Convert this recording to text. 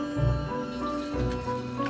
nong jerem rajin